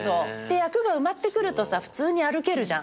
で役が埋まってくるとさ普通に歩けるじゃん。